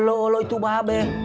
oh loh itu mbak be